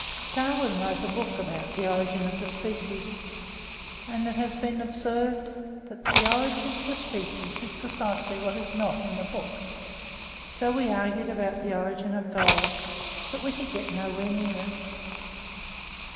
Darwin wrote a book about "The Origin of Species," and it has been observed that the origin of species is precisely what is not in the book. So we argued about the origin of gold, but we could get nowhere near it.